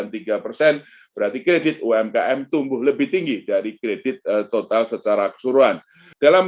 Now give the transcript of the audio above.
tiga persen berarti kredit umkm tumbuh lebih tinggi dari kredit total secara keseluruhan dalam